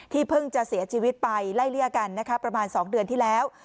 เพิ่งจะเสียชีวิตไปไล่เลี่ยกันนะคะประมาณ๒เดือนที่แล้ว